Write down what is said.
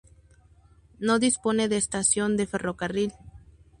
No dispone de estación de ferrocarril.